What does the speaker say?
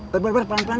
bar bar bar pelan pelan